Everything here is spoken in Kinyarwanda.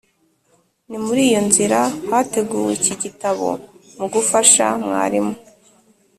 ni muri iyo nzira hateguwe iki gitabo mugufasha mwarimu,